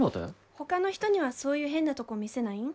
ほかの人にはそういう変なとこ見せないん？